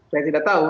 saya tidak tahu